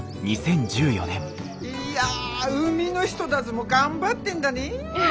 いや海の人だぢも頑張ってんだねえ。